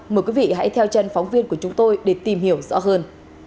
mời quý vị hãy theo chân phóng viên của chúng tôi để tìm hiểu rõ hơn